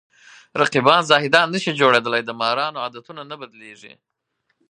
رقیبان زاهدان نشي جوړېدلی د مارانو عادتونه نه بدلېږي